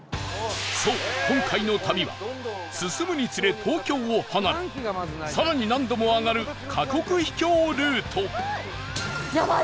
そう、今回の旅は進むにつれ東京を離れ更に、難度も上がる過酷秘境ルート高橋：やばい！